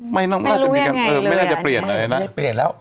ไม่น่าจะเปลี่ยนเลยนะ